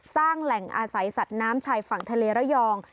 สร้างแหล่งอาศัยสัตว์น้ำชายฝั่งทะเลระยอง